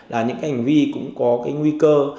là những cái hành vi cũng có cái nguy cơ